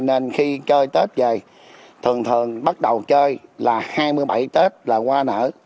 nên khi chơi tết về thường thường bắt đầu chơi là hai mươi bảy tết là hoa nở